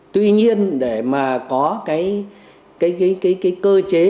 tuy nhiên để mà có cái cơ chế